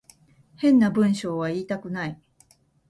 変な文章は言いたくない